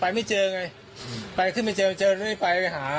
ไปไปไม่เจอไงไปขึ้นไปเจอไม่เจอไม่ได้ไปหา